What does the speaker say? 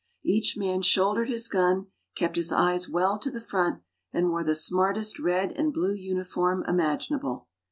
Each man shouldered his gun, kept his eyes well to the front, and wore the smartest red and blue uniform imaginable.